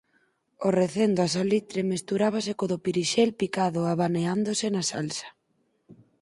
O recendo a salitre mesturábase co do pirixel picado abaneándose na salsa.